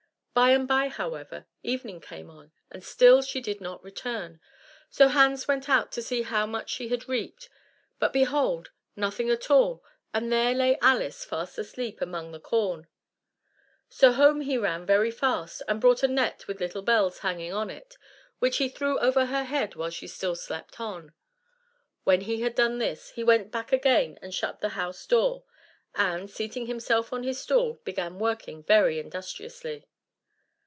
By and by, however, evening came on, and still she did not return; so Hans went out to see how much she had reaped; but, behold, nothing at all, and there lay Alice fast asleep among the corn! So home he ran very fast, and brought a net with little bells hanging on it, which he threw over her head while she still slept on. When he had done this, he went back again and shut to the house door, and, seating himself on his stool, began working very industriously.